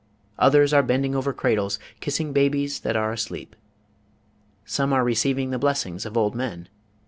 Others are bending over cradles, kissing babies that are asleep. Some are receiving the blessings of old men.